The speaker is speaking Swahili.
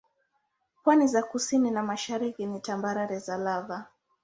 Pwani za kusini na mashariki ni tambarare za lava.